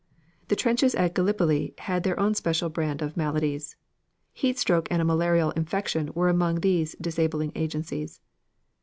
The trenches at Gallipoli had their own special brand of maladies. Heatstroke and a malarial infection were among these disabling agencies.